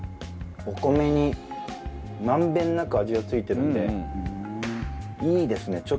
お米に満遍なく味が付いてるんでいいですね